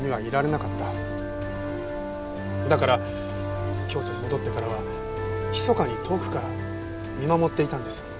だから京都に戻ってからはひそかに遠くから見守っていたんです。